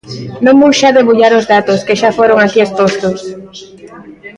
Non vou xa debullar os datos, que xa foron aquí expostos.